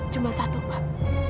cuma satu pak